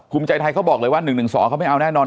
ภูมิใจไทยเขาบอกเลยว่า๑๑๒เขาไม่เอาแน่นอน